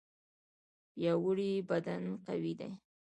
پیاوړی بدن قوي دی.